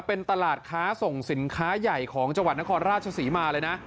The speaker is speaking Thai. เป็นตลาดค้าส่งสินค้าใหญ่ของจังหวัดนครราชศรีมาเลยนะ